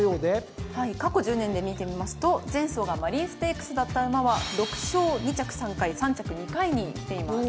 過去１０年で見てみますと前走がマリーンステークスだった馬は６勝２着３回３着２回にきています。